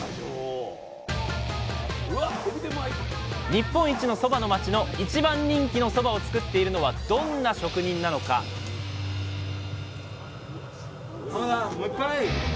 日本一のそばの町の一番人気のそばを作っているのはどんな職人なのかもう１杯！